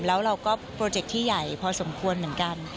แล้วเราก็โปรเจคที่ใหญ่พอสมควรเหมือนกัน